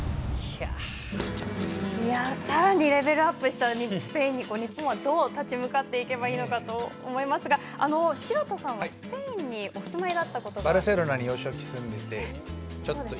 さらにレベルアップしたスペインに日本はどう立ち向かっていけばいいのかと思いますが城田さんはスペインにお住まいだったことがあると。